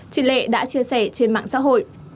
chị lệ đã chia sẻ trên mạng xã hội